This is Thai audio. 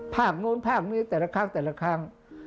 ภาพนู้นภาพนี้แต่ละครั้งแต่ละครั้ง